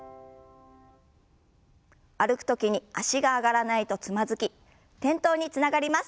歩く時に脚が上がらないとつまずき転倒につながります。